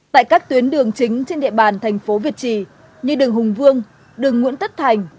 tại các tuyến đường chính trên địa bàn thành phố việt trì như đường hùng vương đường nguyễn tất thành